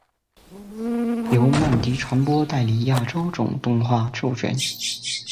由曼迪传播代理亚洲总动画授权。